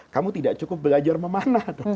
kamu tidak cukup belajar memanah